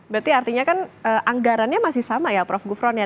berarti artinya kan anggarannya masih sama ya prof gufron ya